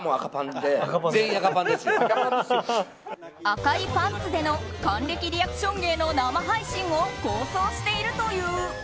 赤いパンツでの還暦リアクション芸の生配信を構想しているという。